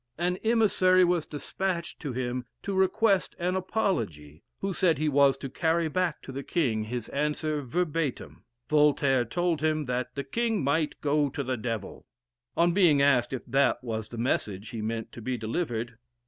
An emissary was despatched to him to request an apology, who said he was to carry back to the king his answer verbatim. Voltaire told him that "the king might go to the devil!" On being asked if that was the message he meant to be delivered!